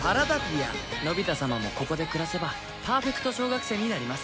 のび太様もここで暮らせばパーフェクト小学生になります。